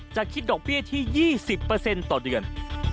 คิดดอกเบี้ยที่๒๐ต่อเดือน